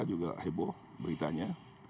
juga heboh beritanya